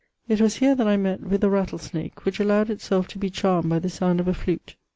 It was here that I met with the rattlesnake, which allowed itself to be charmed by the sound of a flute.